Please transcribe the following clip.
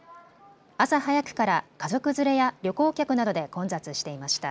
朝早くから家族連れや旅行客などで混雑していました。